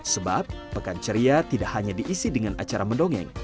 sebab pekan ceria tidak hanya diisi dengan acara mendongeng